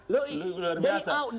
lu luar biasa